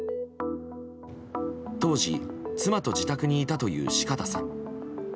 当時、妻と自宅にいたという四方さん。